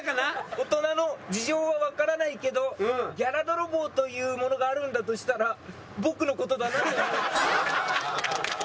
大人の事情はわからないけどギャラ泥棒というものがあるんだとしたら僕の事だなと思いました。